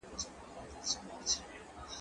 زه باید منډه ووهم،